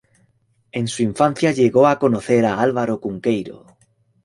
En su infancia llegó a conocer a Álvaro Cunqueiro.